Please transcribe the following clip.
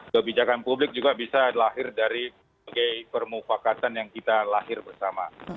kebijakan publik juga bisa lahir dari permufakatan yang kita lahir bersama